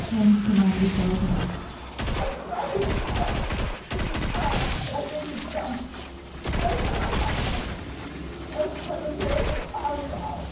[Turns to man beside her.] I command you to stop! If you can't, I 'm going to jump. Don't touch me! Oh, heavens, we 're in the town now.